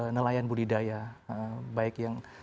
nelayan budidaya baik yang